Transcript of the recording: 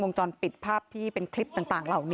มีชายแปลกหน้า๓คนผ่านมาทำทีเป็นช่วยค่างทาง